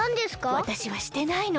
わたしはしてないの。